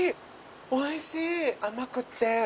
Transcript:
おいしい甘くって。